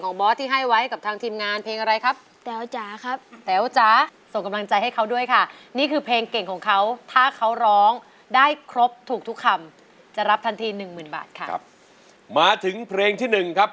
นี่เท่ากับว่าบอสสามารถร้องเพลงเก่งของบอส